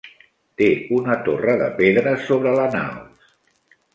Té una torre de pedra sobre la naos.